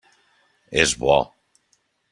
És bo.